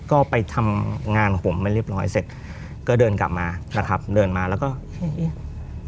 ก็ไปทำงานของผมไม่เรียบร้อยเสร็จก็เดินกลับมานะครับเดินมาแล้วก็อืม